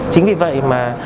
chính vì vậy mà